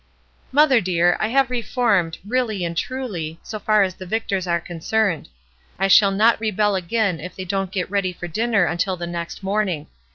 "Mother dear, I have reformed, really and truly, so far as the Victors are concerned. I shall not rebel again if they don't get ready for dinner until the next morning.